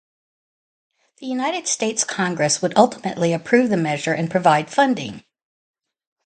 The United States Congress would ultimately approve the measure and provide funding.